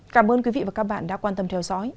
cảm ơn quý vị và các bạn đã quan tâm theo dõi